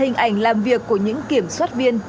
hình ảnh làm việc của những kiểm soát viên